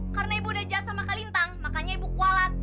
karena ibu udah jahat sama kak lintang makanya ibu kualat